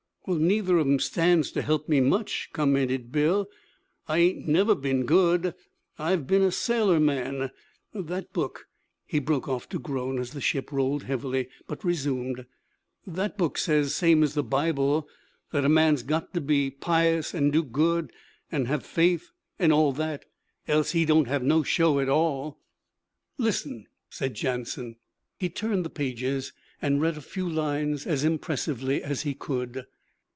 'Well, neither of 'em stands to help me much,' commented Bill. 'I ain't never been good. I've been a sailor man. That book' he broke off to groan as the ship rolled heavily, but resumed 'that book says same as the Bible, that a man's got to be pious an' do good an' have faith, an' all that, else he don't have no show at all.' 'Listen!' said Jansen. He turned the pages, and read a few lines as impressively as he could.